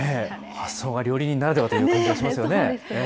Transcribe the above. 発想が料理人ならではという感じがしますよね。